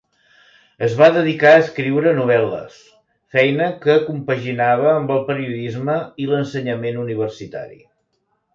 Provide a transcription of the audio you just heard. Es va dedicar a escriure novel·les, feina que compaginava amb el periodisme i l'ensenyament universitari.